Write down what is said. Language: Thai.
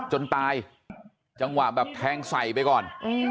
จนตายจังหวะแบบแทงใส่ไปก่อน